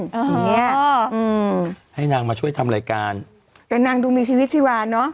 อย่างเงี้ยอืมให้นางมาช่วยทำรายการแต่นางดูมีชีวิตชีวาเนอะ